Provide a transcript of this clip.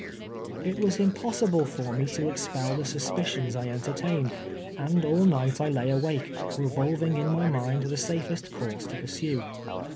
It was impossible for me to expel the suspicions I entertained, and all night I lay awake, revolving in my mind the safest coui se to pursue.